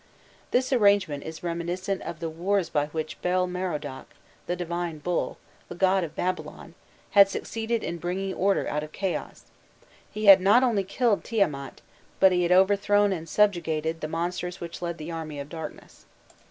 This arrangement is a reminiscence of the wars by which Bel Merodach, the divine bull, the god of Babylon, had succeeded in bringing order out of chaos: he had not only killed Tiamat, but he had overthrown and subjugated the monsters which led the armies of darkness.